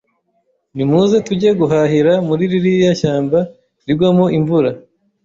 nimuze tujye guhahira muri ririya shyamba rigwamo imvura